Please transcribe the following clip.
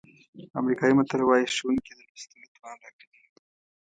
امریکایي متل وایي ښوونکي د لوستلو توان راکوي.